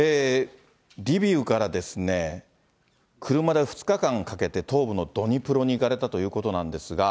リビウからですね、車で２日間かけて、東部のドニプロに行かれたということなんですが。